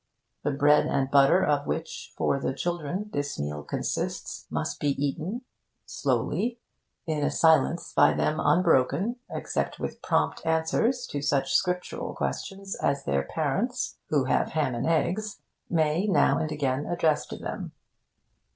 The bread and butter of which, for the children, this meal consists, must be eaten (slowly) in a silence by them unbroken except with prompt answers to such scriptural questions as their parents (who have ham and eggs) may, now and again, address to them.